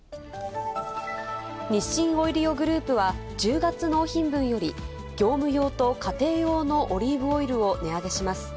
日清オイリオグループは、１０月納品分より、業務用と家庭用のオリーブオイルを値上げします。